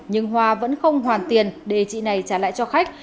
nhưng hoa vẫn không hoàn tiền để chị này trả lại cho khách